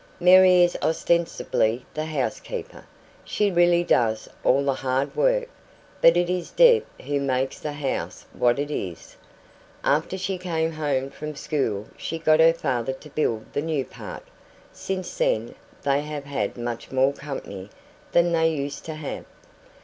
Mary is ostensibly the housekeeper; she really does all the hard work, but it is Deb who makes the house what it is. After she came home from school she got her father to build the new part. Since then they have had much more company than they used to have.